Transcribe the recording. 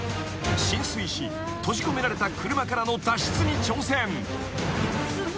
［浸水し閉じ込められた車からの脱出に挑戦］